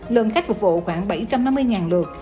lượng khách phục vụ khoảng bảy trăm năm mươi lượt